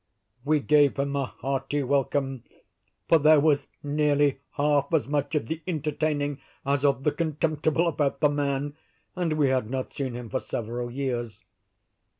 We gave him a hearty welcome; for there was nearly half as much of the entertaining as of the contemptible about the man, and we had not seen him for several years.